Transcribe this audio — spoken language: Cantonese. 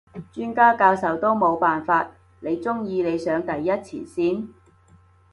專家教授都冇辦法，你中意你上第一前線？